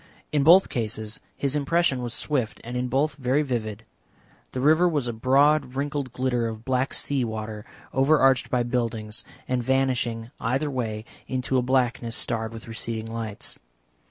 In both cases his impression was swift and in both very vivid. The river was a broad wrinkled glitter of black sea water, overarched by buildings, and vanishing either way into a blackness starred with receding lights.